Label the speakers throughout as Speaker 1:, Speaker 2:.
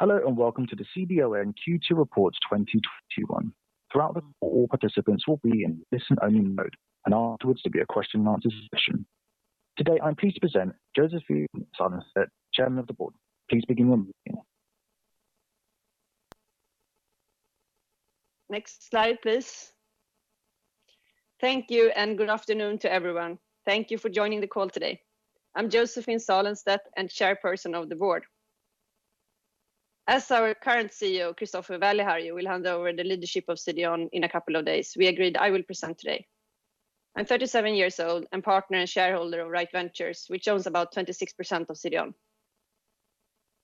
Speaker 1: Hello, welcome to the CDON Q2 Reports 2021. Throughout the call, all participants will be in listen only mode, and afterwards there will be a question-and-answer session. Today, I'm pleased to present Josephine Salenstedt, Chairman of the Board. Please begin when ready.
Speaker 2: Next slide, please. Thank you, and good afternoon to everyone. Thank you for joining the call today. I'm Josephine Salenstedt, and Chairperson of the Board. As our current CEO, Kristoffer Väliharju will hand over the leadership of CDON in a couple of days, we agreed I will present today. I'm 37 years old, and partner and shareholder of Rite Ventures, which owns about 26% of CDON.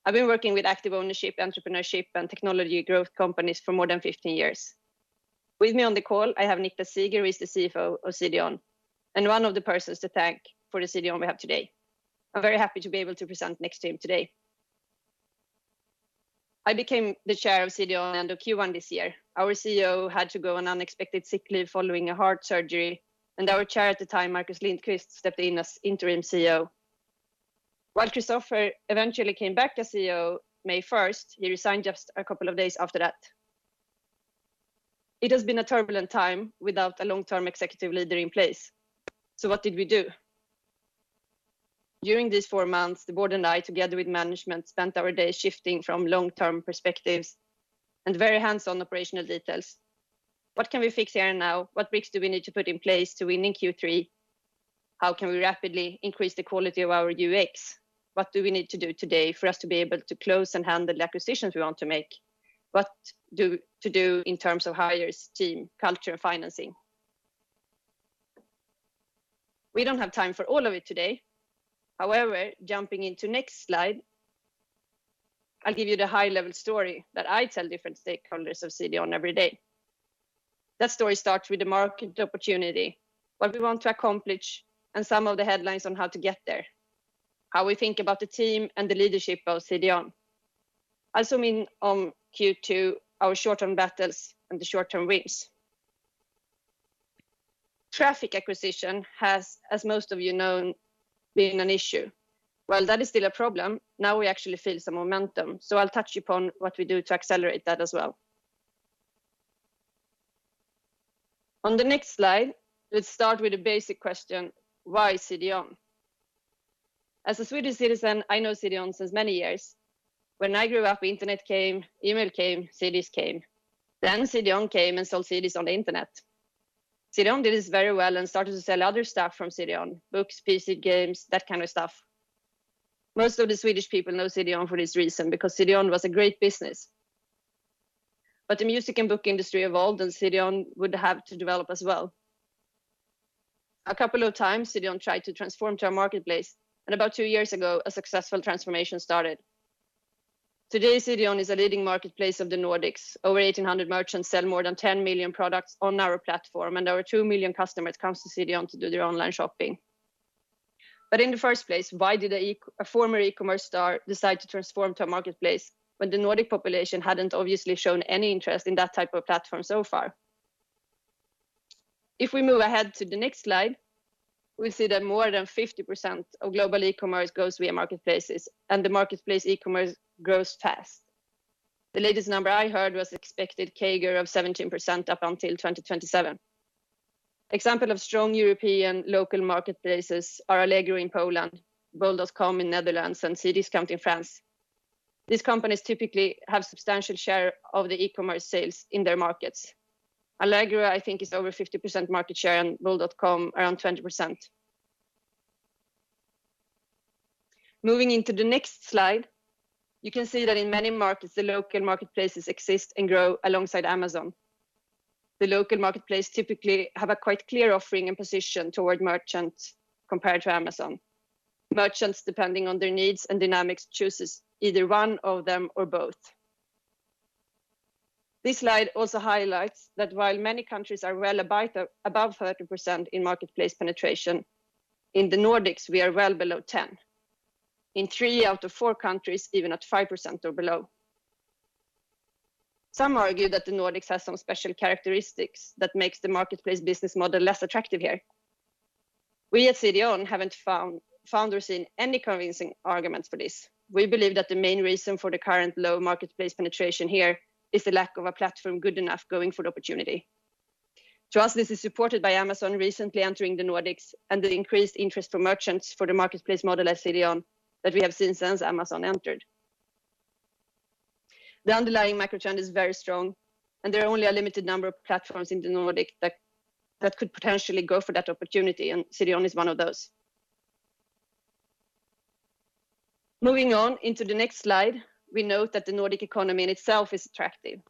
Speaker 2: I've been working with active ownership, entrepreneurship, and technology growth companies for more than 15 years. With me on the call, I have Niclas Szieger, who is the CFO of CDON, and one of the persons to thank for the CDON we have today. I'm very happy to be able to present next to him today. I became the chair of CDON at the end of Q1 this year. Our CEO had to go on unexpected sick leave following a heart surgery, and our Chair at the time, Marcus Lindqvist, stepped in as Interim CEO. While Kristoffer eventually came back as CEO May 1st, he resigned just a couple of days after that. It has been a turbulent time without a long-term executive leader in place. What did we do? During these four months, the Board and I, together with management, spent our days shifting from long-term perspectives and very hands-on operational details. What can we fix here now? What bricks do we need to put in place to win in Q3? How can we rapidly increase the quality of our UX? What do we need to do today for us to be able to close and handle the acquisitions we want to make? What to do in terms of hires, team, culture, financing? We don't have time for all of it today. Jumping into next slide, I'll give you the high level story that I tell different stakeholders of CDON every day. That story starts with the market opportunity, what we want to accomplish, and some of the headlines on how to get there, how we think about the team and the leadership of CDON. In Q2, our short-term battles and the short-term wins. Traffic acquisition has, as most of you know, been an issue. While that is still a problem, now we actually feel some momentum. I'll touch upon what we do to accelerate that as well. On the next slide, let's start with the basic question, why CDON? As a Swedish citizen, I know CDON since many years. When I grew up, the internet came, email came, CDs came. CDON came and sold CDs on the internet. CDON did this very well and started to sell other stuff from CDON, books, PC games, that kind of stuff. Most of the Swedish people know CDON for this reason, because CDON was a great business. The music and book industry evolved, and CDON would have to develop as well. A couple of times, CDON tried to transform to a marketplace, and about two years ago, a successful transformation started. Today, CDON is a leading marketplace of the Nordics. Over 1,800 merchants sell more than 10 million products on our platform, and over two million customers come to CDON to do their online shopping. In the first place, why did a former e-commerce star decide to transform to a marketplace when the Nordic population hadn't obviously shown any interest in that type of platform so far? If we move ahead to the next slide, we'll see that more than 50% of global e-commerce goes via marketplaces, and the marketplace e-commerce grows fast. The latest number I heard was expected CAGR of 17% up until 2027. Example of strong European local marketplaces are Allegro in Poland, Bol.com in Netherlands, and Cdiscount in France. These companies typically have substantial share of the e-commerce sales in their markets. Allegro, I think, is over 50% market share, and Bol.com around 20%. Moving into the next slide, you can see that in many markets, the local marketplaces exist and grow alongside Amazon. The local marketplace typically have a quite clear offering and position toward merchants compared to Amazon. Merchants, depending on their needs and dynamics, chooses either one of them or both. This slide also highlights that while many countries are well above 30% in marketplace penetration, in the Nordics, we are well below 10%. In three out of four countries, even at 5% or below. Some argue that the Nordics has some special characteristics that makes the marketplace business model less attractive here. We at CDON haven't found or seen any convincing arguments for this. We believe that the main reason for the current low marketplace penetration here is the lack of a platform good enough going for the opportunity. To us, this is supported by Amazon recently entering the Nordics and the increased interest from merchants for the marketplace model at CDON that we have seen since Amazon entered. The underlying market trend is very strong, and there are only a limited number of platforms in the Nordic that could potentially go for that opportunity, and CDON is one of those. Moving on into the next slide, we note that the Nordic economy in itself is attractive.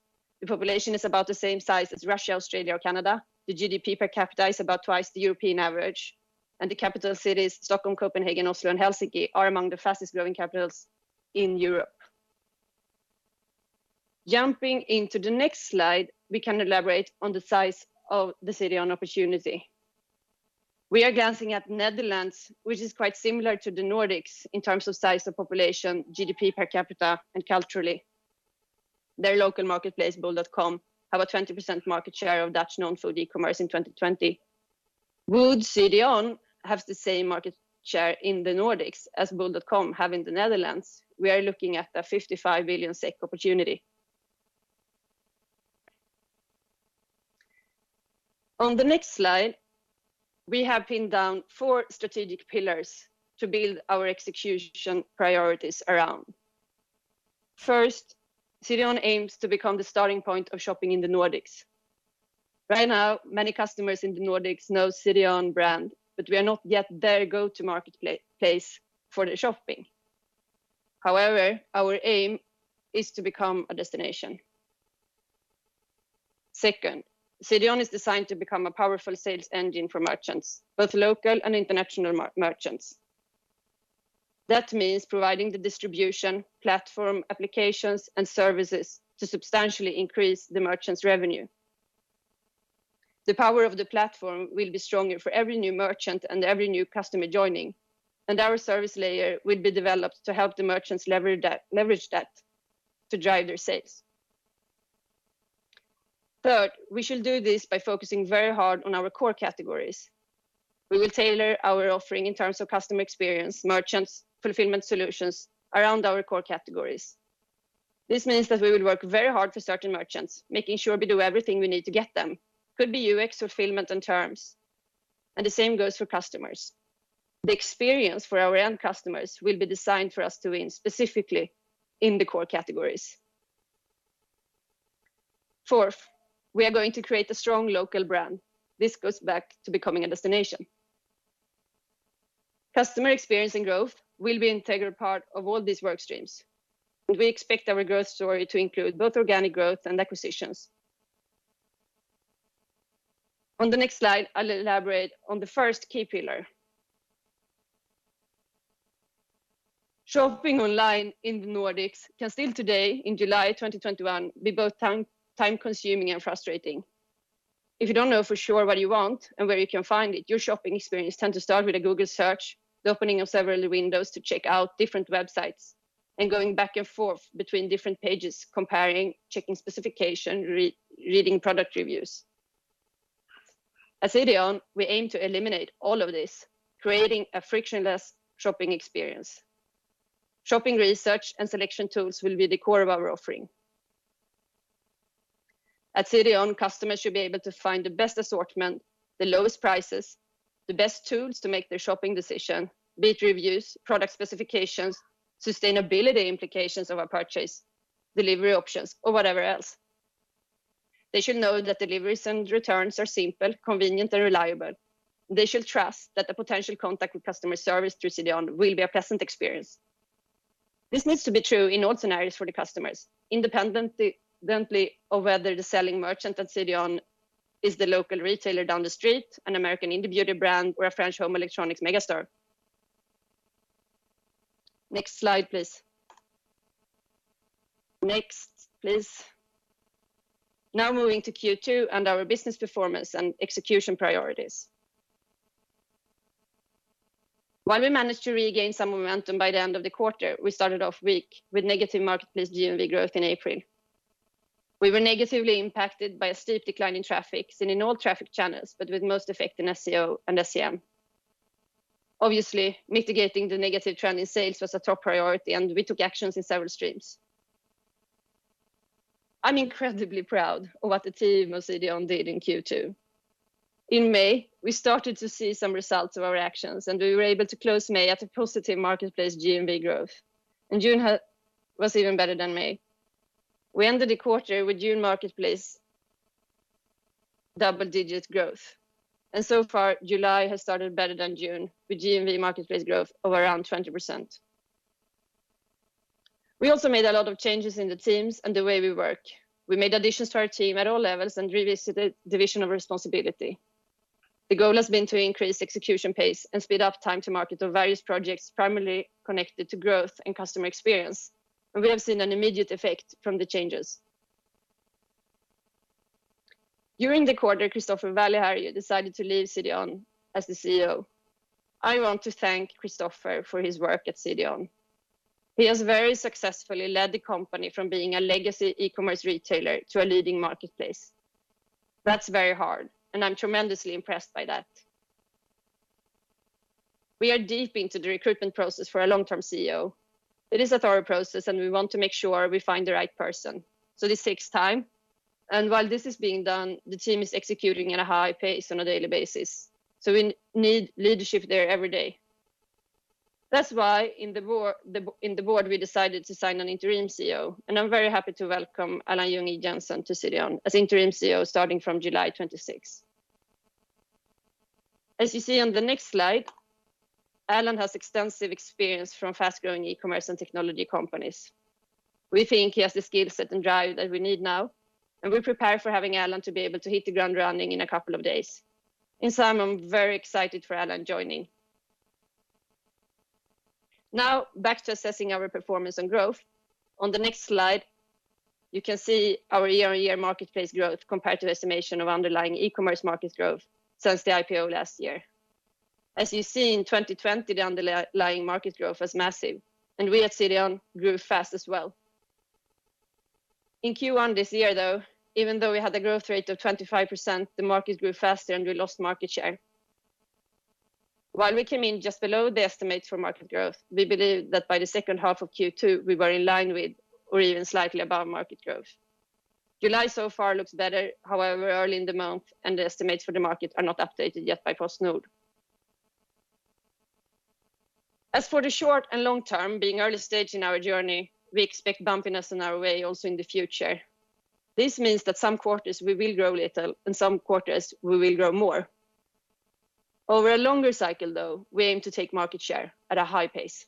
Speaker 2: The population is about the same size as Russia, Australia, or Canada. The GDP per capita is about twice the European average, and the capital cities, Stockholm, Copenhagen, Oslo, and Helsinki are among the fastest-growing capitals in Europe. Jumping into the next slide, we can elaborate on the size of the CDON opportunity. We are glancing at Netherlands, which is quite similar to the Nordics in terms of size of population, GDP per capita, and culturally. Their local marketplace, Bol.com, have a 20% market share of Dutch non-food e-commerce in 2020. Would CDON have the same market share in the Nordics as Bol.com have in the Netherlands? We are looking at a 55 million SEK opportunity. On the next slide, we have pinned down four strategic pillars to build our execution priorities around. First, CDON aims to become the starting point of shopping in the Nordics. Right now, many customers in the Nordics know CDON brand, but we are not yet their go-to marketplace for their shopping. However, our aim is to become a destination. Second, CDON is designed to become a powerful sales engine for merchants, both local and international merchants. That means providing the distribution, platform, applications, and services to substantially increase the merchants' revenue. The power of the platform will be stronger for every new merchant and every new customer joining, and our service layer will be developed to help the merchants leverage that to drive their sales. Third, we shall do this by focusing very hard on our core categories. We will tailor our offering in terms of customer experience, merchants, fulfillment solutions around our core categories. This means that we will work very hard to certain merchants, making sure we do everything we need to get them. Could be UX fulfillment and terms. The same goes for customers. The experience for our end customers will be designed for us to win, specifically in the core categories. Fourth, we are going to create a strong local brand. This goes back to becoming a destination. Customer experience and growth will be integral part of all these work streams. We expect our growth story to include both organic growth and acquisitions. On the next slide, I'll elaborate on the first key pillar. Shopping online in the Nordics can still today, in July 2021, be both time-consuming and frustrating. If you don't know for sure what you want and where you can find it, your shopping experience tends to start with a Google search, opening of several windows to check out different websites, and going back and forth between different pages, comparing, checking specification, reading product reviews. At CDON, we aim to eliminate all of this, creating a frictionless shopping experience. Shopping research and selection tools will be the core of our offering. At CDON, customers should be able to find the best assortment, the lowest prices, the best tools to make their shopping decision, be it reviews, product specifications, sustainability implications of a purchase, delivery options, or whatever else. They should know that deliveries and returns are simple, convenient, and reliable. They should trust that the potential contact with customer service through CDON will be a pleasant experience. This needs to be true in all scenarios for the customers, independently of whether the selling merchant at CDON is the local retailer down the street, an American indie beauty brand, or a French home electronics mega store. Next slide, please. Next, please. Moving to Q2 and our business performance and execution priorities. While we managed to regain some momentum by the end of the quarter, we started off weak with negative marketplace GMV growth in April. We were negatively impacted by a steep decline in traffic and in all traffic channels, but with most effect in SEO and SEM. Obviously, mitigating the negative trend in sales was a top priority, and we took actions in several streams. I'm incredibly proud of what the team of CDON did in Q2. In May, we started to see some results of our actions, and we were able to close May at a positive marketplace GMV growth, and June was even better than May. We ended the quarter with June marketplace double-digit growth, and so far July has started better than June, with GMV marketplace growth of around 20%. We also made a lot of changes in the teams and the way we work. We made additions to our team at all levels and redid the division of responsibility. The goal has been to increase execution pace and speed up time to market on various projects, primarily connected to growth and customer experience, and we have seen an immediate effect from the changes. During the quarter, Kristoffer Väliharju decided to leave CDON as the CEO. I want to thank Kristoffer for his work at CDON. He has very successfully led the company from being a legacy e-commerce retailer to a leading marketplace. That's very hard, and I'm tremendously impressed by that. We are deep into the recruitment process for our long-term CEO. It is a thorough process. We want to make sure we find the right person. This takes time. While this is being done, the team is executing at a high pace on a daily basis. We need leadership there every day. That's why in the board, we decided to sign an interim CEO. I'm very happy to welcome Allan Junge-Jensen to CDON as interim CEO starting from July 26th. As you see on the next slide, Allan has extensive experience from fast-growing e-commerce and technology companies. We think he has the skill set and drive that we need now. We're prepared for having Allan to be able to hit the ground running in a couple of days. In sum, I'm very excited for Allan joining. Back to assessing our performance and growth. On the next slide, you can see our year-over-year marketplace growth compared to estimation of underlying e-commerce market growth since the IPO last year. In 2020, the underlying market growth was massive. We at CDON grew fast as well. In Q1 this year, though, even though we had a growth rate of 25%, the market grew faster. We lost market share. While we came in just below the estimate for market growth, we believe that by the H2 of Q2, we were in line with or even slightly above market growth. July so far looks better. However, early in the month and the estimates for the market are not updated yet by PostNord. As for the short and long term, being early stage in our journey, we expect bumpiness in our way also in the future. This means that some quarters we will grow little, and some quarters we will grow more. Over a longer cycle, though, we aim to take market share at a high pace.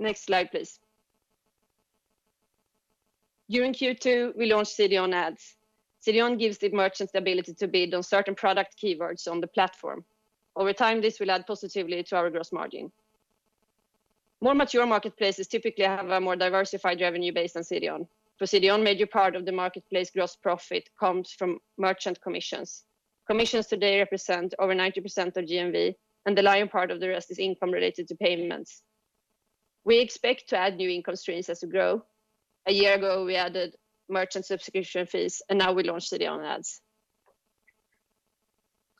Speaker 2: Next slide, please. During Q2, we launched CDON Ads. CDON gives the merchants the ability to bid on certain product keywords on the platform. Over time, this will add positively to our gross margin. More mature marketplaces typically have a more diversified revenue base than CDON. For CDON, a major part of the marketplace gross profit comes from merchant commissions. Commissions today represent over 90% of GMV, and the lion part of the rest is income related to payments. We expect to add new income streams as we grow. A year ago, we added merchant subscription fees. Now we launched CDON Ads.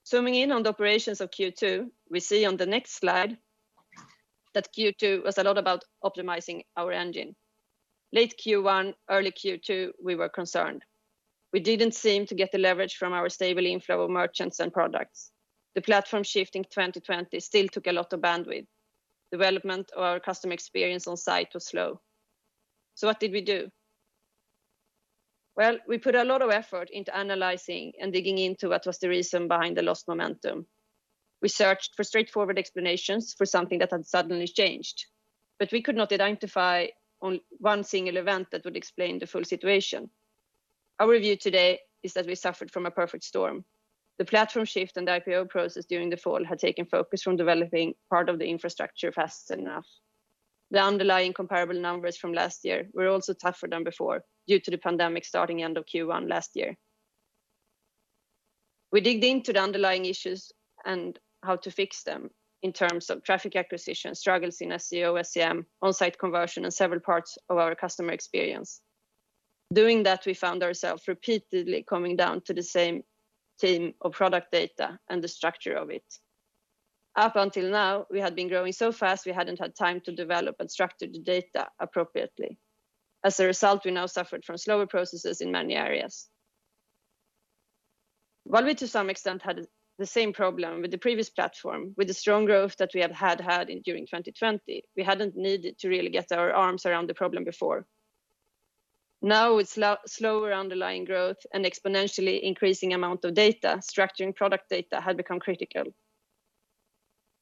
Speaker 2: Zooming in on the operations of Q2, we see on the next slide that Q2 was a lot about optimizing our engine. Late Q1, early Q2, we were concerned. We didn't seem to get the leverage from our stable inflow of merchants and products. The platform shift in 2020 still took a lot of bandwidth. Development of our customer experience on site was slow. What did we do? Well, we put a lot of effort into analyzing and digging into what was the reason behind the lost momentum. We searched for straightforward explanations for something that had suddenly changed. We could not identify one single event that would explain the full situation. Our view today is that we suffered from a perfect storm. The platform shift and the IPO process during the fall had taken focus from developing part of the infrastructure fast enough. The underlying comparable numbers from last year were also tougher than before due to the pandemic starting end of Q1 last year. We digged into the underlying issues and how to fix them in terms of traffic acquisition, struggles in SEO, SEM, on-site conversion, and several parts of our customer experience. Doing that, we found ourselves repeatedly coming down to the same thing of product data and the structure of it. Up until now, we had been growing so fast we hadn't had time to develop and structure the data appropriately. As a result, we now suffered from slower processes in many areas. While we to some extent had the same problem with the previous platform, with the strong growth that we had had during 2020, we hadn't needed to really get our arms around the problem before. Now with slower underlying growth and exponentially increasing amount of data, structuring product data had become critical.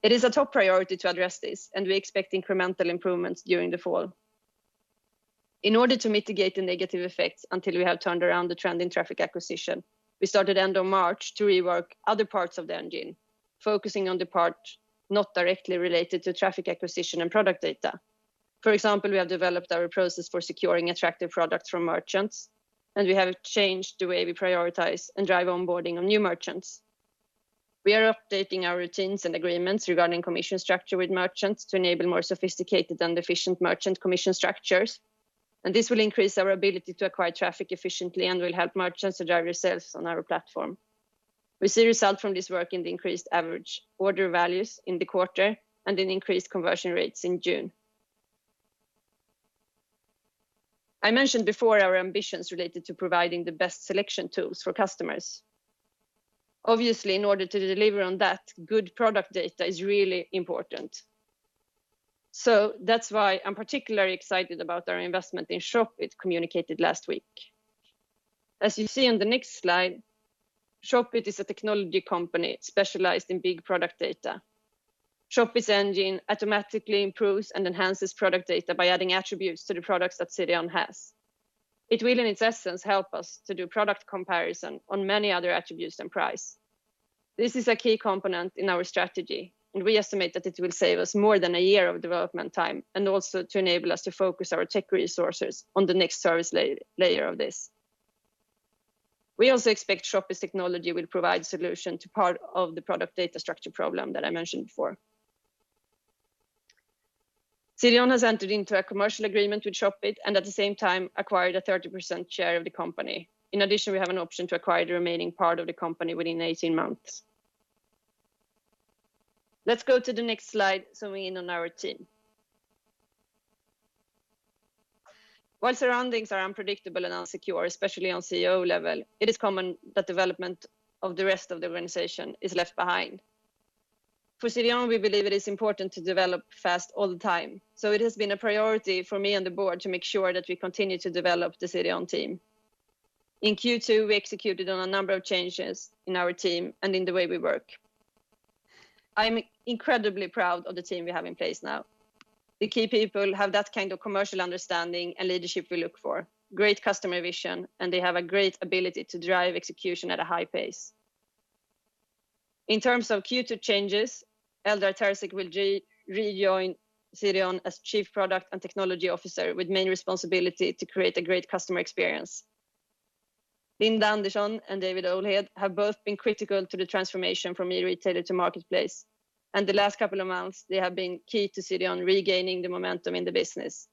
Speaker 2: It is a top priority to address this, and we expect incremental improvements during the fall. In order to mitigate the negative effects until we have turned around the trend in traffic acquisition, we started end of March to rework other parts of the engine, focusing on the part not directly related to traffic acquisition and product data. For example, we have developed our process for securing attractive products from merchants, and we have changed the way we prioritize and drive onboarding of new merchants. We are updating our routines and agreements regarding commission structure with merchants to enable more sophisticated and efficient merchant commission structures. This will increase our ability to acquire traffic efficiently and will help merchants to drive ourselves on our platform. We see results from this work in the increased average order values in the quarter and in increased conversion rates in June. I mentioned before our ambitions related to providing the best selection tools for customers. Obviously, in order to deliver on that, good product data is really important. That's why I'm particularly excited about our investment in Shopit communicated last week. As you see on the next slide, Shopit is a technology company specialized in big product data. Shopit's engine automatically improves and enhances product data by adding attributes to the products that CDON has. It will, in essence, help us to do product comparison on many other attributes and price. This is a key component in our strategy. We estimate that it will save us more than a year of development time and also to enable us to focus our tech resources on the next service layer of this. We also expect Shopit's technology will provide a solution to part of the product data structure problem that I mentioned before. CDON has entered into a commercial agreement with Shopit and at the same time acquired a 30% share of the company. In addition, we have an option to acquire the remaining part of the company within 18 months. Let's go to the next slide, zooming in on our team. While surroundings are unpredictable and unsecure, especially on CEO level, it is common that development of the rest of the organization is left behind. For CDON, we believe it is important to develop fast all the time, so it has been a priority for me and the board to make sure that we continue to develop the CDON team. In Q2, we executed on a number of changes in our team and in the way we work. I'm incredibly proud of the team we have in place now. The key people have that kind of commercial understanding and leadership we look for, great customer vision, and they have a great ability to drive execution at a high pace. In terms of Q2 changes, Eldar Terzic will re-join CDON as Chief Product and Technology Officer with main responsibility to create a great customer experience. Linda Andersson and David Olhed have both been critical to the transformation from e-retailer to marketplace. The last couple of months, they have been key to CDON regaining the momentum in the business.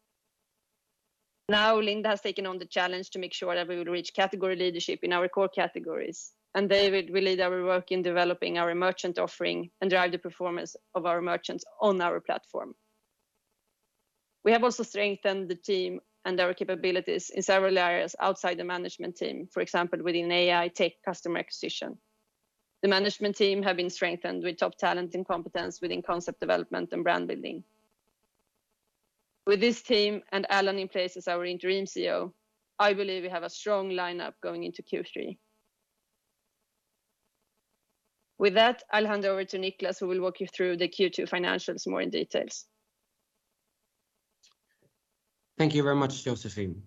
Speaker 2: Now, Linda has taken on the challenge to make sure that we will reach category leadership in our core categories, and David will lead our work in developing our merchant offering and drive the performance of our merchants on our platform. We have also strengthened the team and their capabilities in several areas outside the management team, for example, within AI tech customer acquisition. The management team have been strengthened with top talent and competence within concept development and brand building. With this team and Allan in place as our interim CEO, I believe we have a strong lineup going into Q3. With that, I'll hand over to Niclas, who will walk you through the Q2 financials in more details.
Speaker 3: Thank you very much, Josephine.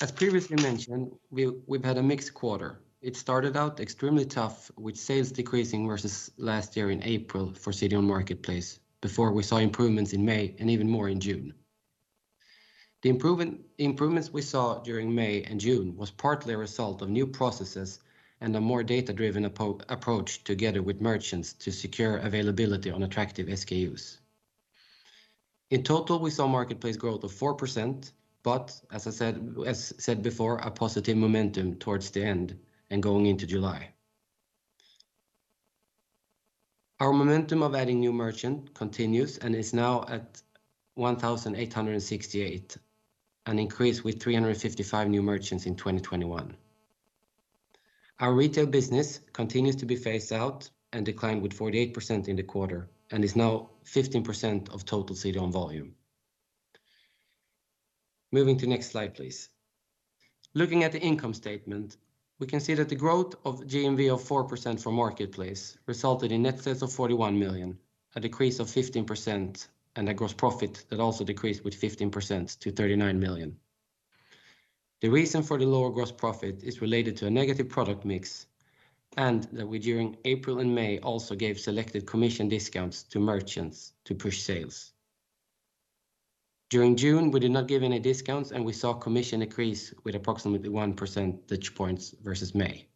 Speaker 3: As previously mentioned, we've had a mixed quarter. It started out extremely tough, with sales decreasing versus last year in April for CDON Marketplace, before we saw improvements in May and even more in June. The improvements we saw during May and June was partly a result of new processes and a more data-driven approach together with merchants to secure availability on attractive SKUs. In total, we saw marketplace growth of 4%, but as said before, a positive momentum towards the end and going into July. Our momentum of adding new merchants continues and is now at 1,868, an increase with 355 new merchants in 2021. Our retail business continues to be phased out and declined with 48% in the quarter and is now 15% of total CDON volume. Moving to next slide, please. Looking at the income statement, we can see that the growth of GMV of 4% for marketplace resulted in net sales of 41 million, a decrease of 15%, and a gross profit that also decreased with 15% to 39 million. The reason for the lower gross profit is related to a negative product mix, and that we, during April and May, also gave selected commission discounts to merchants to push sales. During June, we did not give any discounts, and we saw commission increase with approximately 1 percentage point versus May.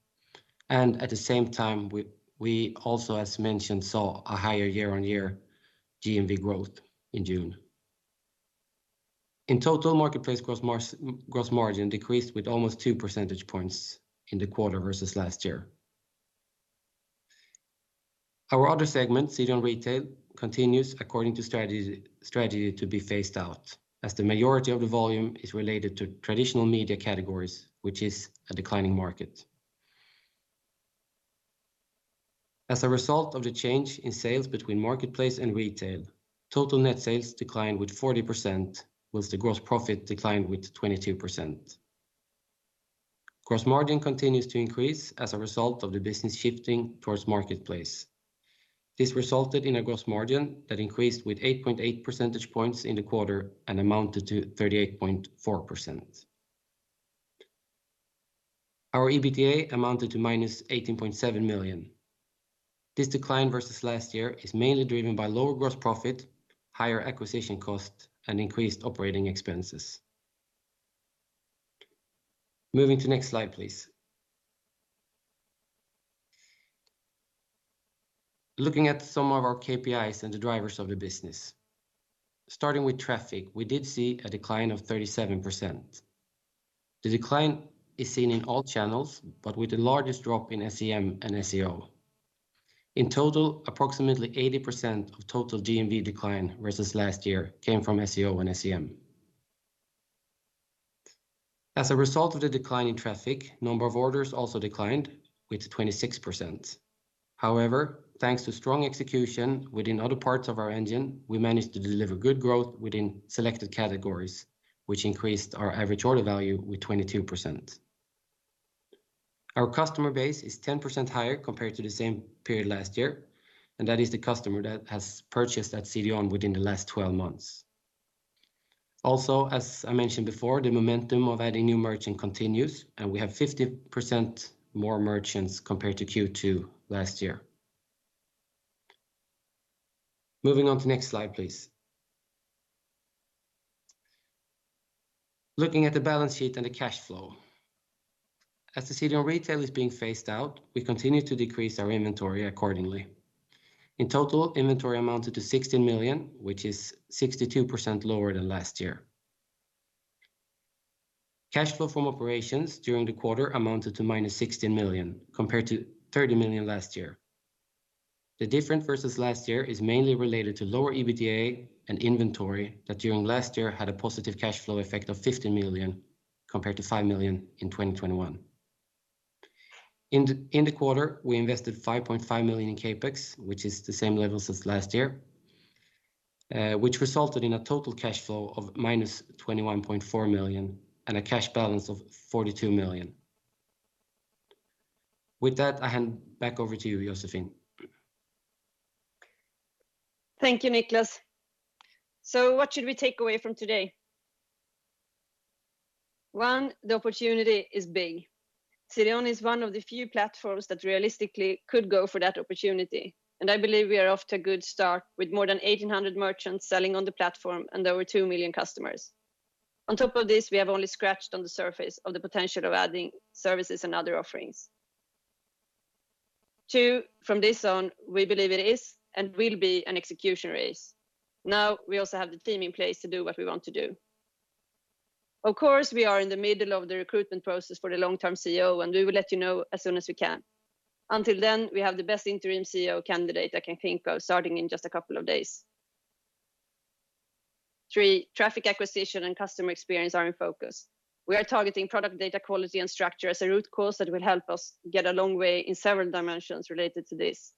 Speaker 3: At the same time, we also, as mentioned, saw a higher year-over-year GMV growth in June. In total, marketplace gross margin decreased with almost 2 percentage points in the quarter versus last year. Our other segment, CDON Retail, continues according to strategy to be phased out, as the majority of the volume is related to traditional media categories, which is a declining market. As a result of the change in sales between marketplace and retail, total net sales declined with 40%, whilst the gross profit declined with 22%. Gross margin continues to increase as a result of the business shifting towards marketplace. This resulted in a gross margin that increased with 8.8 percentage points in the quarter and amounted to 38.4%. Our EBITDA amounted to -18.7 million. This decline versus last year is mainly driven by lower gross profit, higher acquisition cost, and increased operating expenses. Moving to next slide, please. Looking at some of our KPIs and the drivers of the business. Starting with traffic, we did see a decline of 37%. The decline is seen in all channels, but with the largest drop in SEM and SEO. In total, approximately 80% of total GMV decline versus last year came from SEO and SEM. As a result of the decline in traffic, number of orders also declined with 26%. However, thanks to strong execution within other parts of our engine, we managed to deliver good growth within selected categories, which increased our average order value with 22%. Our customer base is 10% higher compared to the same period last year, and that is the customer that has purchased at CDON within the last 12 months. Also, as I mentioned before, the momentum of adding new merchants continues, and we have 50% more merchants compared to Q2 last year. Moving on to next slide, please. Looking at the balance sheet and the cash flow. As the CDON Retail is being phased out, we continue to decrease our inventory accordingly. In total, inventory amounted to 60 million, which is 62% lower than last year. Cash flow from operations during the quarter amounted to -60 million, compared to 30 million last year. The difference versus last year is mainly related to lower EBITDA and inventory that during last year had a positive cash flow effect of 50 million compared to 5 million in 2021. In the quarter, we invested 5.5 million in CapEx, which is the same level since last year, which resulted in a total cash flow of -21.4 million and a cash balance of 42 million. With that, I hand back over to you, Josephine.
Speaker 2: Thank you, Niclas. What should we take away from today? One, the opportunity is big. CDON is one of the few platforms that realistically could go for that opportunity, and I believe we are off to a good start with more than 1,800 merchants selling on the platform and over 2 million customers. On top of this, we have only scratched on the surface on the potential of adding services and other offerings. Two, from this on, we believe it is and will be an execution race. We also have the team in place to do what we want to do. Of course, we are in the middle of the recruitment process for the long-term CEO, and we will let you know as soon as we can. Until then, we have the best interim CEO candidate I can think of starting in just a couple of days. Three, traffic acquisition and customer experience are in focus. We are targeting product data quality and structure as a root cause that will help us get a long way in several dimensions related to this.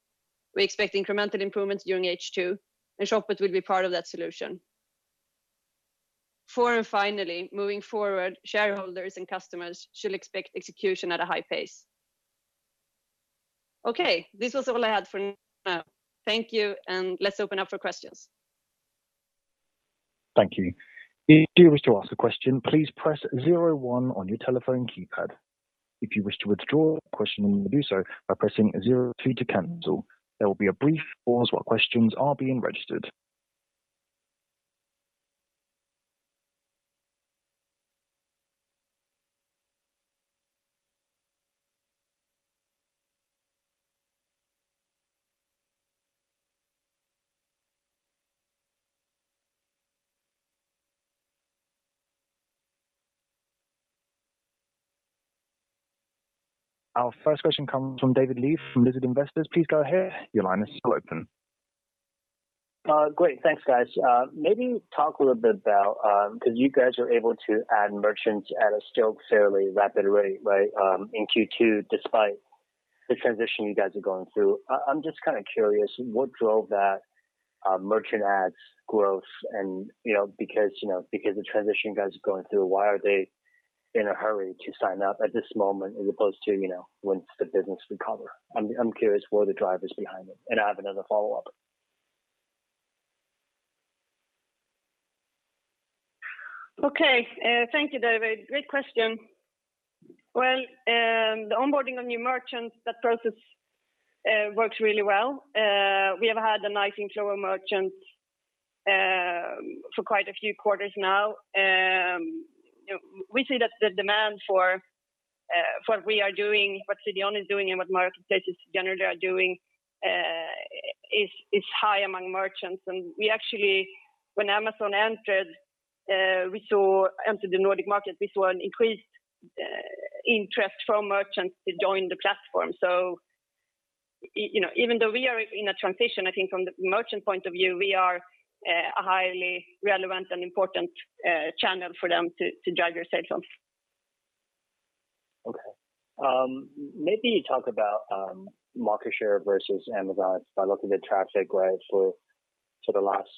Speaker 2: We expect incremental improvements during H2, and Shopit will be part of that solution. Four, finally, moving forward, shareholders and customers should expect execution at a high pace. Okay, this is all I had for now. Thank you, and let's open up for questions.
Speaker 1: Thank you. If you wish to ask a question, please press zero one on your telephone keypad. If you wish to withdraw a question, you may do so by pressing zero two to cancel. There will be a brief pause while questions are being registered. Our first question comes from David Li from Lizard Investors. Please go ahead. Your line is open.
Speaker 4: Great. Thanks, guys. Maybe talk a little bit about, because you guys are able to add merchants at a still fairly rapid rate in Q2, despite the transition you guys are going through. I'm just kind of curious, what drove that merchant adds growth and, because the transition you guys are going through, why are they in a hurry to sign up at this moment as opposed to once the business recovers? I'm curious what the drive is behind it, and I have another follow-up.
Speaker 2: Okay. Thank you, David. Great question. Well, the onboarding of new merchants, that process works really well. We have had a nice inflow of merchants for quite a few quarters now. We see that the demand for what we are doing, what CDON is doing, and what marketplaces in general are doing, is high among merchants. We actually, when Amazon entered the Nordic market, we saw an increased interest from merchants to join the platform. Even though we are in a transition, I think from the merchant point of view, we are a highly relevant and important channel for them to drive their sales on.
Speaker 4: Okay. Maybe talk about market share versus Amazon, because by looking at traffic for the last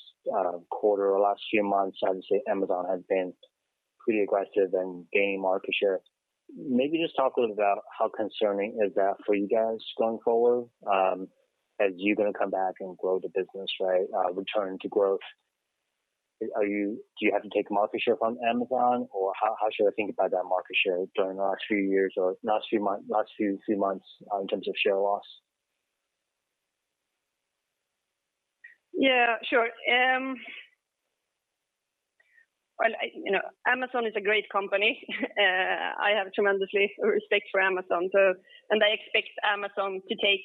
Speaker 4: quarter or last few months, I would say Amazon has been pretty aggressive in gaining market share. Maybe just talk a little about how concerning is that for you guys going forward, as you are going to come back and grow the business, return to growth. Do you have to take market share from Amazon, or how should I think about that market share during the last few months in terms of share loss?
Speaker 2: Yeah, sure. Well, Amazon is a great company. I have tremendous respect for Amazon, and I expect Amazon to take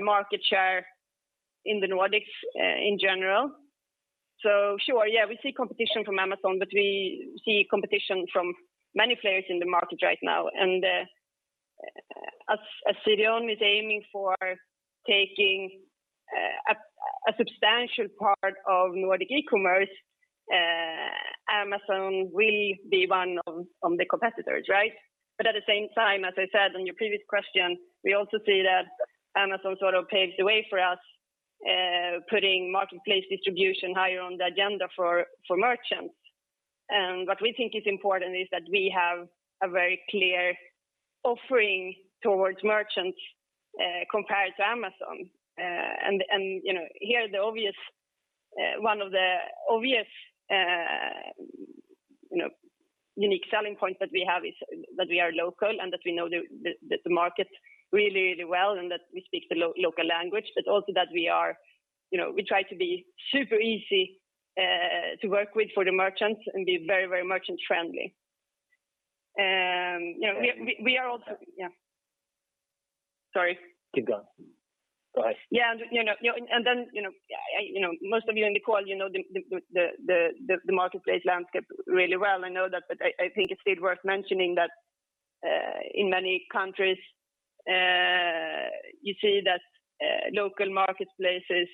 Speaker 2: market share in the Nordics in general. Sure, yeah, we see competition from Amazon, but we see competition from many players in the market right now. As CDON is aiming for taking a substantial part of Nordic e-commerce, Amazon will be one of the competitors, right? At the same time, as I said on your previous question, we also see that Amazon sort of paved the way for us, putting marketplace distribution higher on the agenda for merchants. What we think is important is that we have a very clear offering towards merchants compared to Amazon. Here, one of the obvious unique selling points that we have is that we are local and that we know the market really well and that we speak the local language, but also that we try to be super easy to work with for the merchants and be very merchant-friendly. Yeah. Sorry.
Speaker 4: You go.
Speaker 2: Sorry. Yeah, most of you on the call know the marketplace landscape really well. I know that, I think it is still worth mentioning that in many countries you see that local marketplaces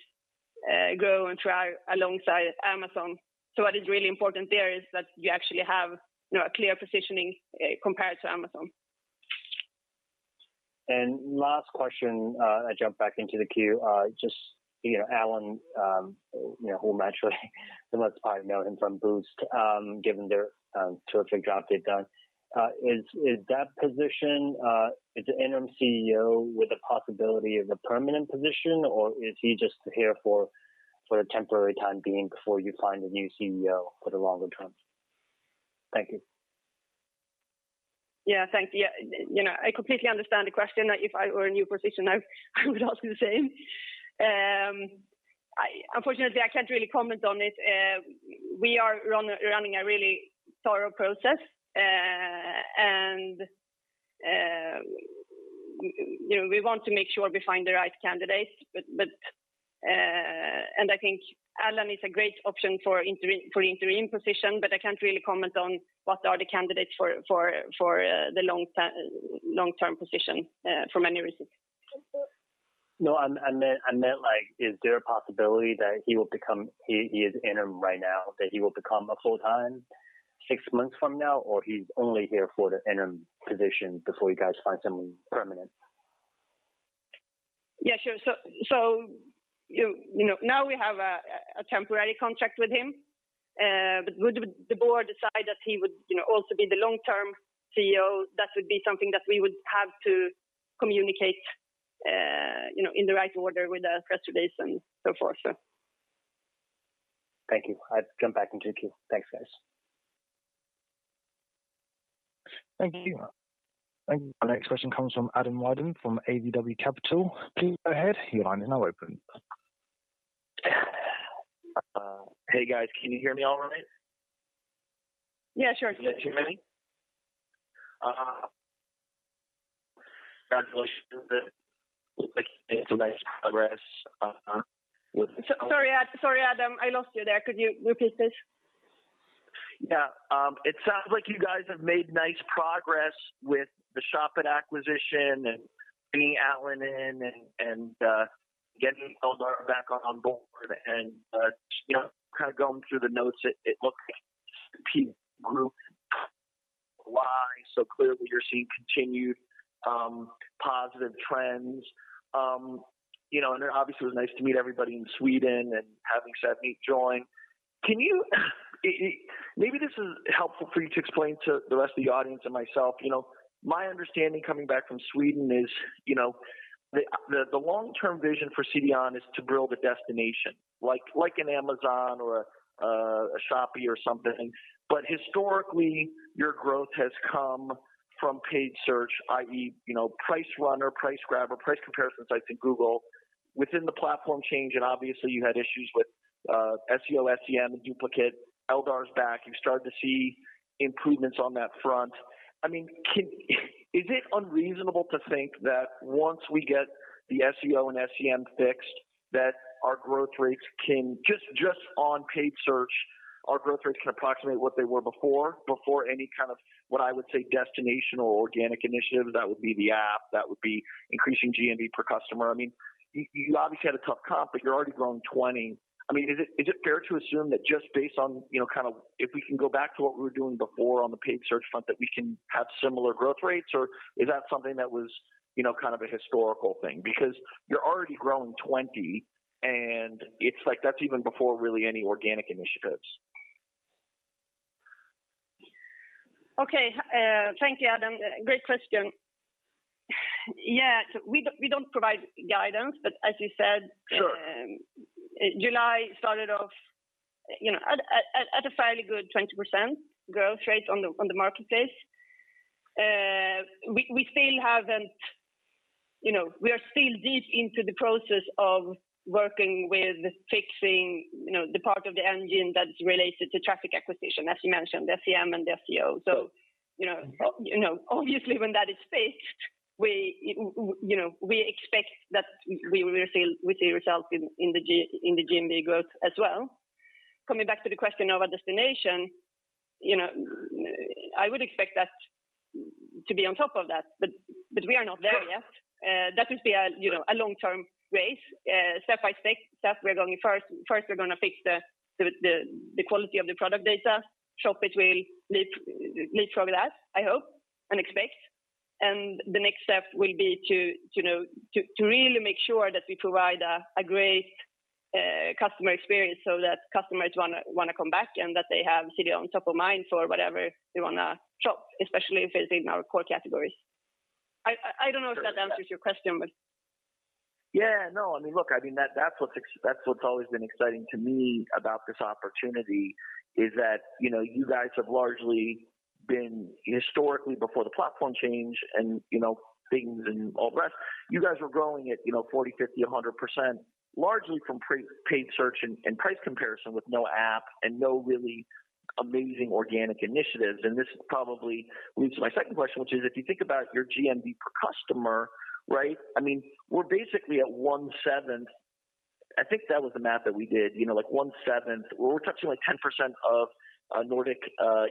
Speaker 2: grow and thrive alongside Amazon. What is really important there is that you actually have clear positioning compared to Amazon.
Speaker 4: Last question, I'll jump back into the queue. Just, Allan, who naturally, someone probably know him from Boozt, given their terrific job they've done. Is that position the Interim CEO with the possibility of a permanent position, or is he just here for a temporary time being before you find a new CEO for the long term? Thank you.
Speaker 2: Yeah, thanks. I completely understand the question. If I were in your position now, I would ask the same. Unfortunately, I can't really comment on it. We are running a really thorough process, and we want to make sure we find the right candidate. I think Allan is a great option for interim position, but I can't really comment on what are the candidates for the long-term position, for many reasons.
Speaker 4: No, I meant is there a possibility that he is interim right now, that he will become a full-time six months from now, or he's only here for the interim position before you guys find someone permanent?
Speaker 2: Yeah, sure. Now we have a temporary contract with him. Would the board decide that he would also be the long-term CEO, that would be something that we would have to communicate in the right order with our shareholder base and so forth.
Speaker 4: Thank you. I'll jump back in queue. Thanks, guys.
Speaker 1: Thank you. Our next question comes from Adam Wyden from ADW Capital. Please go ahead.
Speaker 5: Hey, guys. Can you hear me all right?
Speaker 2: Yeah, sure can.
Speaker 5: Yes, you ready? Congratulations on making some nice progress.
Speaker 2: Sorry, Adam, I lost you there. Could you repeat, please?
Speaker 5: Yeah. It sounds like you guys have made nice progress with the Shopit acquisition and bringing Allan in and getting Eldar back on board and kind of going through the notes, it looks like the group, clearly you're seeing continued positive trends. Obviously nice to meet everybody in Sweden and having Stephanie join. Maybe this is helpful for you to explain to the rest of the audience and myself. My understanding coming back from Sweden is, the long-term vision for CDON is to build a destination, like an Amazon or a Shopee or something. Historically, your growth has come from paid search, i.e., PriceRunner, PriceGrabber, price comparison sites in Google. Within the platform change and obviously you had issues with SEO, SEM duplicate. Eldar is back. You start to see improvements on that front. Is it unreasonable to think that once we get the SEO and SEM fixed, that our growth rates can, just on paid search, our growth rates can approximate what they were before any kind of what I would say destination or organic initiative that would be the app, that would be increasing GMV per customer. You obviously had a tough comp, but you're already growing 20. Is it fair to assume that just based on, if we can go back to what we were doing before on the paid search front, that we can have similar growth rates, or is that something that was kind of a historical thing? Because you're already growing 20, and it's like that's even before really any organic initiatives.
Speaker 2: Okay. Thank you, Adam. Great question. Yeah. We don't provide guidance, but-
Speaker 5: Sure.
Speaker 2: July started off at a fairly good 20% growth rate on the marketplace. We're still deep into the process of working with fixing the part of the engine that's related to traffic acquisition, as you mentioned, SEM and SEO. Obviously when that is fixed, we expect that we will see results in the GMV growth as well. Coming back to the question of a destination, I would expect us to be on top of that, but we are not there yet. That is a long-term race. Step by step, we're going first to fix the quality of the product data. Shopit will lead for that, I hope and expect. The next step will be to really make sure that we provide a great customer experience so that customers want to come back and that they have CDON top of mind for whatever they want to shop, especially if they're doing our core categories. I don't know if that answers your question.
Speaker 5: Yeah, no, look, that's what's always been exciting to me about this opportunity is that, you guys have largely been historically before the platform change and things and all the rest, you guys were growing at 40%, 50%, 100% largely from paid search and price comparison with no app and no really amazing organic initiatives. This probably leads to my second question, which is if you think about your GMV per customer, right? We're basically at 1/7. I think that was the math that we did, like 1/7. We're touching like 10% of Nordic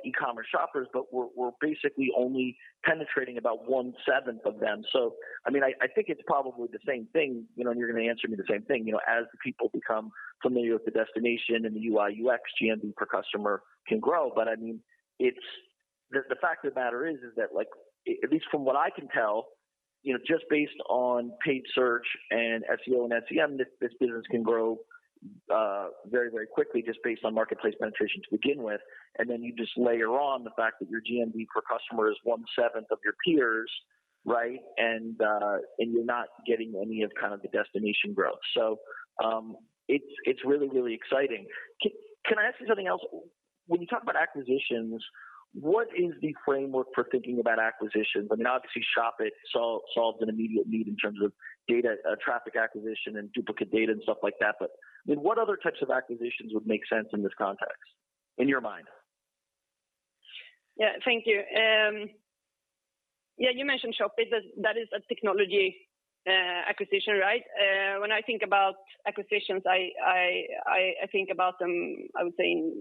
Speaker 5: e-commerce shoppers, but we're basically only penetrating about 1/7 of them. I think it's probably the same thing. You're going to answer me the same thing. As the people become familiar with the destination and the UI, UX, GMV per customer can grow. The fact of the matter is that at least from what I can tell. Just based on paid search and SEO and SEM, this business can grow very, very quickly just based on marketplace penetration to begin with. Then you just layer on the fact that your GMV per customer is 1/7 of your peers, right? You're not getting any of the destination growth. It's really, really exciting. Can I ask you something else? When you talk about acquisitions, what is the framework for thinking about acquisitions? I mean, obviously, Shopit solved an immediate need in terms of data, traffic acquisition, and duplicate data and stuff like that, what other types of acquisitions would make sense in this context, in your mind?
Speaker 2: Yeah, thank you. You mentioned Shopit, that is a technology acquisition, right? When I think about acquisitions, I think about them, I would say in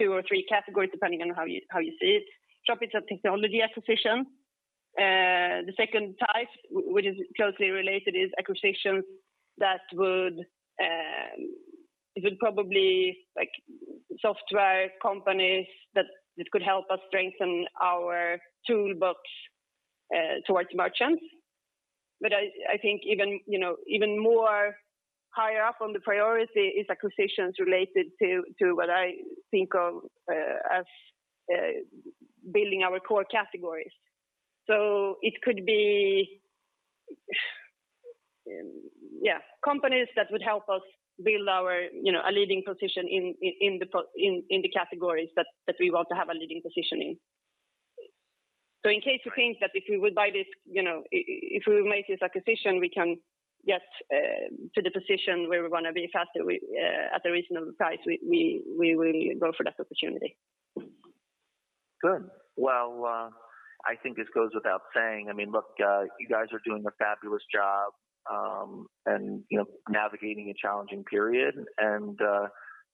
Speaker 2: two or three categories, depending on how you see it. ShopIt is a technology acquisition. The second type, which is closely related, is acquisitions that would probably be software companies that could help us strengthen our toolbox towards merchants. I think even more higher up on the priority is acquisitions related to what I think of as building our core categories. It could be companies that would help us build a leading position in the categories that we want to have a leading position in. In case we think that if we make this acquisition, we can get to the position where we want to be faster at the reasonable price, we will go for that opportunity.
Speaker 5: Good. Well, I think this goes without saying. I mean, look, you guys are doing a fabulous job and navigating a challenging period.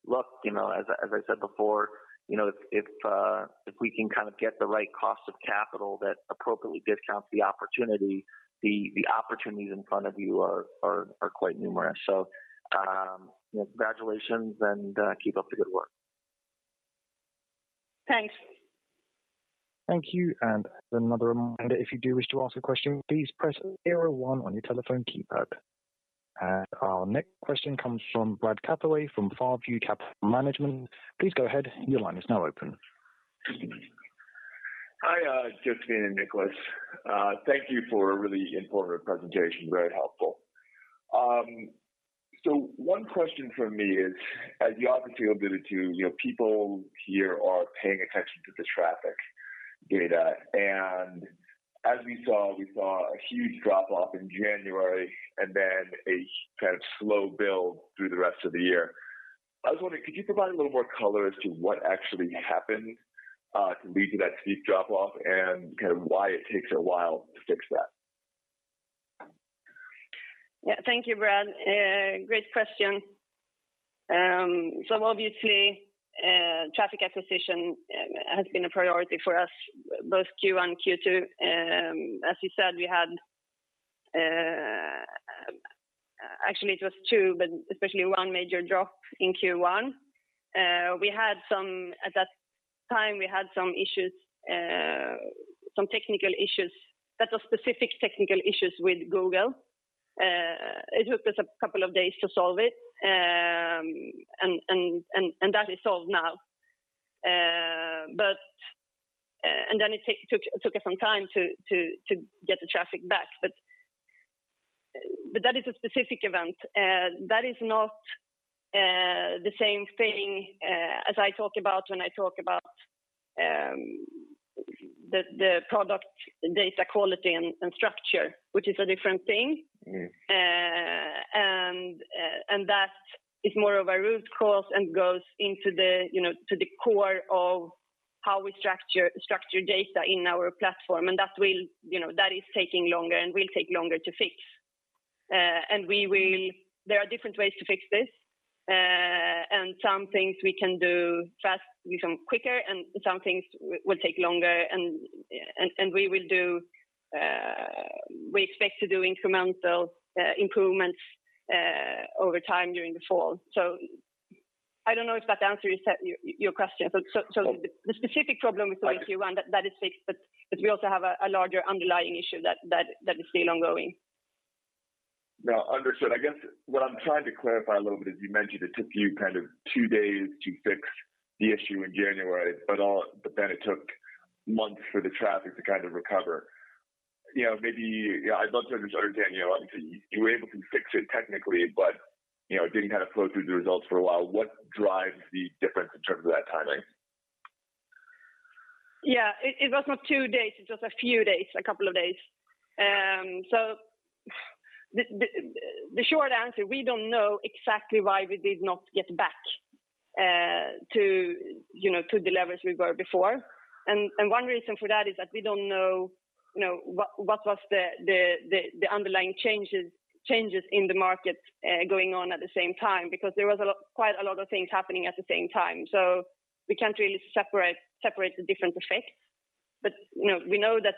Speaker 5: Look, as I said before, if we can get the right cost of capital that appropriately discounts the opportunity, the opportunities in front of you are quite numerous. Congratulations, and keep up the good work.
Speaker 2: Thanks.
Speaker 1: Thank you. Another reminder, if you do wish to ask a question, please press zero one on your telephone keypad. Our next question comes from Brad Hathaway from Far View Capital Management.
Speaker 6: Hi, Josephine and Niclas. Thank you for a really informative presentation. Very helpful. One question from me is, as you obviously alluded to, people here are paying attention to the traffic data. As we saw, we saw a huge drop-off in January and then a slow build through the rest of the year. I was wondering, could you provide a little more color as to what actually happened to lead to that steep drop-off and why it takes a while to fix that?
Speaker 2: Thank you, Brad Hathaway. Great question. Obviously, traffic acquisition has been a priority for us, both Q1 and Q2. As you said, we had actually just two, but especially one major drop in Q1. At that time, we had some technical issues that were specific technical issues with Google. It took us a couple of days to solve it, and that is solved now. It took us some time to get the traffic back. That is a specific event. That is not the same thing as I talk about when I talk about the product data quality and structure, which is a different thing. That is more of a root cause and goes into the core of how we structure data in our platform. That is taking longer and will take longer to fix. There are different ways to fix this, and some things we can do just become quicker, and some things will take longer, and we expect to do incremental improvements over time during the fall. I don't know if that answers your question, but the specific problem in Q1, that is fixed, but we also have a larger underlying issue that is still ongoing.
Speaker 6: Understood. I guess what I'm trying to clarify a little bit is you mentioned it took you two days to fix the issue in January, but then it took months for the traffic to recover. I'd love to understand, you were able to fix it technically, but it didn't flow through the results for a while. What drives the difference in terms of that timing?
Speaker 2: Yeah, it was not two days, it was just a few days, a couple of days. The short answer, we don't know exactly why we did not get back to the levels we were before. One reason for that is that we don't know what was the underlying changes in the market going on at the same time, because there was quite a lot of things happening at the same time. We can't really separate the different effects. We know that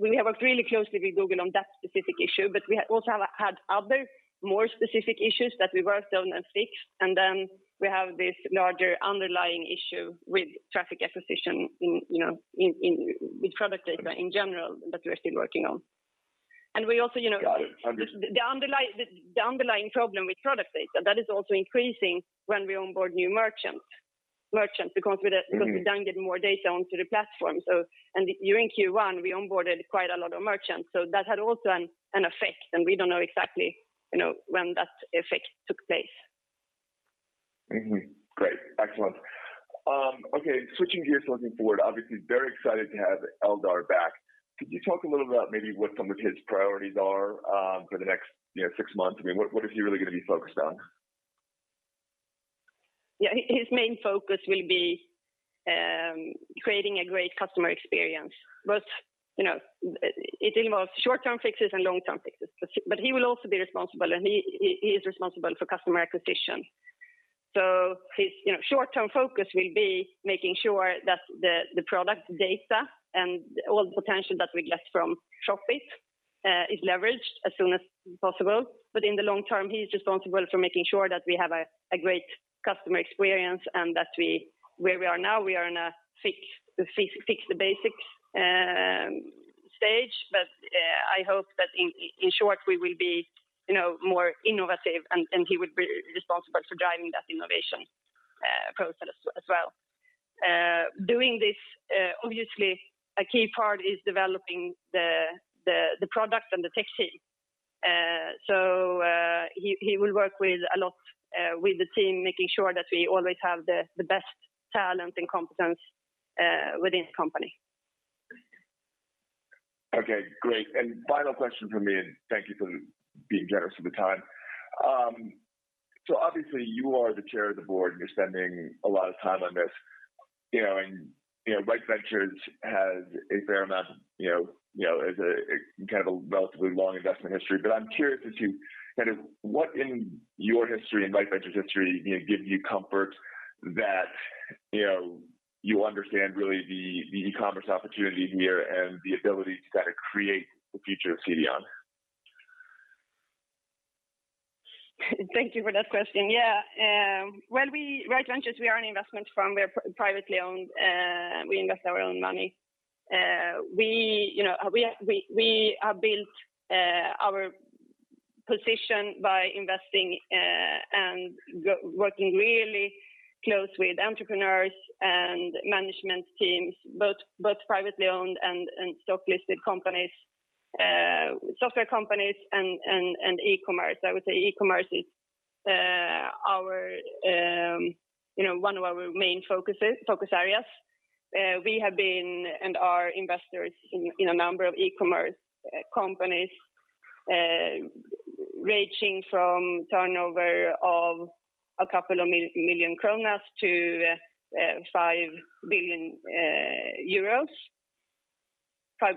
Speaker 2: we worked really closely with Google on that specific issue, but we also have had other more specific issues that we worked on and fixed. We have this larger underlying issue with traffic acquisition in product data in general that we're still working on.
Speaker 6: Got it. Understood.
Speaker 2: The underlying problem with product data, that is also increasing when we onboard new merchants, because we then get more data onto the platform. During Q1, we onboarded quite a lot of merchants, that had also an effect, and we don't know exactly when that effect took place.
Speaker 6: Mm-hmm. Great. Excellent. Okay, switching gears, looking forward, obviously very excited to have Eldar back. Could you talk a little about maybe what some of his priorities are for the next six months? What is he really going to be focused on?
Speaker 2: Yeah. His main focus will be creating a great customer experience. It involves short-term fixes and long-term fixes. He will also be responsible, and he is responsible for customer acquisition. His short-term focus will be making sure that the product data and all the potential that we get from Shopit is leveraged as soon as possible. In the long term, he's responsible for making sure that we have a great customer experience and that where we are now, we are in a fix the basics stage. I hope that in short, we will be more innovative, and he will be responsible for driving that innovation process as well. Doing this, obviously, a key part is developing the product and the tech team. He will work a lot with the team, making sure that we always have the best talent and competence within the company.
Speaker 6: Okay, great. Final question from me, and thank you for being generous with the time. Obviously you are the chair of the board, and you're spending a lot of time on this. Rite Ventures has a fair amount, is a kind of a relatively long investment history. I'm curious as to what in your history and Rite Ventures' history, gives you comfort that you understand really the e-commerce opportunity here and the ability to kind of create the future of CDON?
Speaker 2: Thank you for that question. Rite Ventures, we are an investment firm. We are privately owned. We invest our own money. We have built our position by investing and working really close with entrepreneurs and management teams, both privately owned and stock-listed companies, software companies, and e-commerce. I would say e-commerce is one of our main focus areas. We have been, and are investors in a number of e-commerce companies, ranging from turnover of a couple of million SEK to SEK 5 billion. That's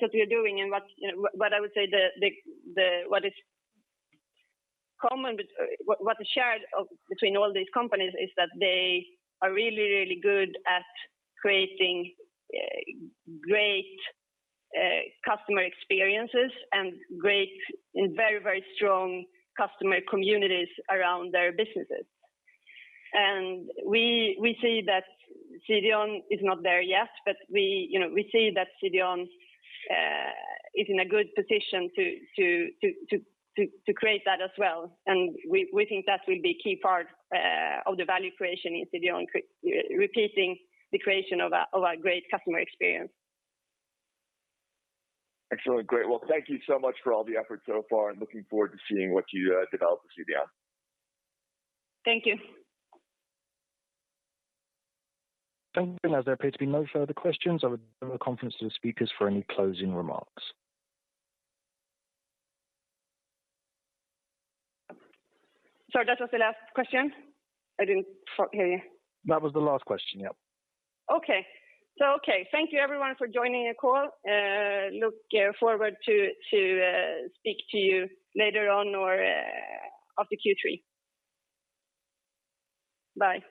Speaker 2: what we are doing, and what I would say what is shared between all these companies is that they are really, really good at creating great customer experiences and very, very strong customer communities around their businesses. We see that CDON is not there yet, but we see that CDON is in a good position to create that as well, and we think that will be a key part of the value creation in CDON, repeating the creation of a great customer experience.
Speaker 6: Excellent. Great. Well, thank you so much for all the efforts so far, and looking forward to seeing what you develop with CDON.
Speaker 2: Thank you.
Speaker 1: As there appear to be no further questions, I would open the conference to the speakers for any closing remarks.
Speaker 2: Sorry, that was the last question? I didn't quite hear you.
Speaker 1: That was the last question, yeah.
Speaker 2: Okay. Okay. Thank you everyone for joining the call. Look forward to speak to you later on or after Q3. Bye.